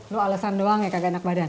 lo alasan doang ya kagak enak badan